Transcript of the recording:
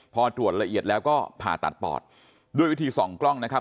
พอตรวจละเอียดแล้วก็ผ่าตัดปอดด้วยวิธีส่องกล้องนะครับ